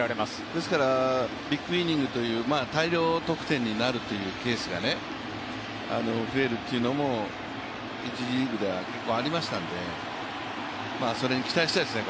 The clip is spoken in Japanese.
ですからビッグイニングという大量得点になるケースが増えるというのも１次リーグでは結構ありましたのでそれに期待したいですね。